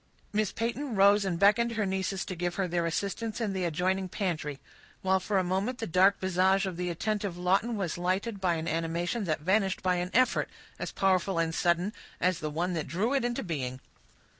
Miss Peyton rose and beckoned her nieces to give her their assistance in the adjoining pantry, while for a moment the dark visage of the attentive Lawton was lighted by an animation that vanished by an effort, as powerful and as sudden, as the one that drew it into being.